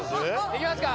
いきますか！